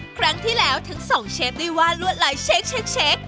ครั้งที่แล้วทั้งสองเชฟได้ว่าลวดลายเช็ค